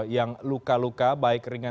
yang luka luka baik ringan